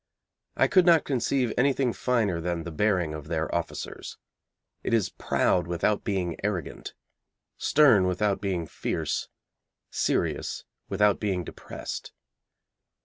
I could not conceive anything finer than the bearing of their officers. It is proud without being arrogant, stern without being fierce, serious without being depressed.